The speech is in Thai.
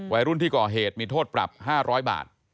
วัยรุ่นที่ก่อเหตุมีโทษปรับ๕๐๐บาท